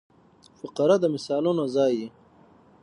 فقره د مثالونو ځای يي.